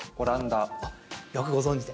あっ、よくご存じで。